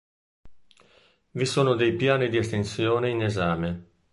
Vi sono dei piani di estensione in esame.